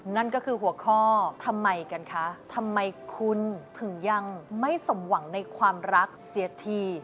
นั่นก็คือหัวข้อทำไมกันคะทำไมคุณถึงยังไม่สมหวังในความรักเสียที